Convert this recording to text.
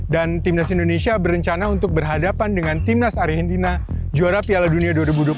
timnas indonesia berencana untuk berhadapan dengan timnas argentina juara piala dunia dua ribu dua puluh tiga